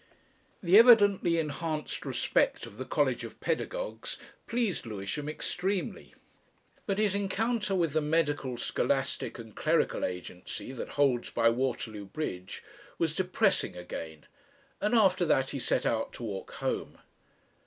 The evidently enhanced respect of the College of Pedagogues pleased Lewisham extremely. But his encounter with the Medical, Scholastic, and Clerical Agency that holds by Waterloo Bridge was depressing again, and after that he set out to walk home.